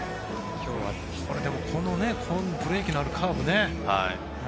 このブレーキのあるカーブね。